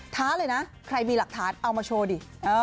ท้าเลยนะใครมีหลักฐานเอามาโชว์ดิ